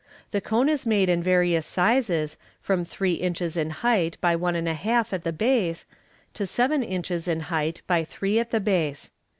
The cone is. made in various sizes, from three inches in height by one and a half at the base, to seven inches in height by three at the base.